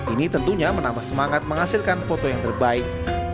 ini tentunya menambah semangat menghasilkan foto yang terbaik